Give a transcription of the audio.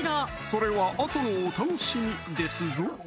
それはあとのお楽しみですぞ！